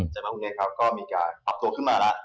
จนก็มีการปรับตัวขึ้นมาแล้ว